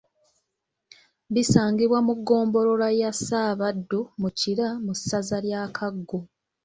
Bisangibwa mu Ggombolola ya Ssaabaddu mu Kira Mu Ssaza lya Kaggo.